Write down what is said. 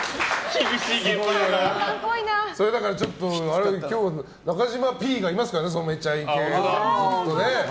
だから、今日は中嶋Ｐがいますからね、「めちゃイケ」の。